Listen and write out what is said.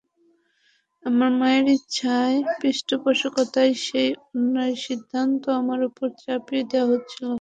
আমার মায়ের ইচ্ছায়, পৃষ্ঠপোষকতায় সেই অন্যায় সিদ্ধান্ত আমার ওপর চাপিয়ে দেওয়া হচ্ছিল।